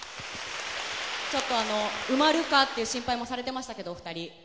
埋まるかという心配もされていましたけど、お二人。